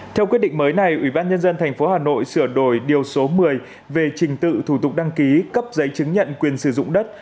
theo quyết định mới này ủy ban nhân dân tp hà nội sửa đổi điều số một mươi về trình tự thủ tục đăng ký cấp giấy chứng nhận quyền sử dụng đất